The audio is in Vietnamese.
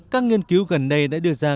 các nghiên cứu gần đây đã đưa ra